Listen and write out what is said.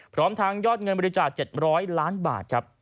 พร้อมทางยอดเงินบริจาค๗๐๐ล้านบาทครับ